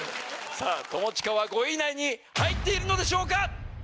友近は５位以内に入っているのでしょうか